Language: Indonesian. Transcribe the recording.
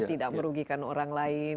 tidak merugikan orang lain